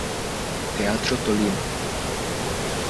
Teatro Tolima.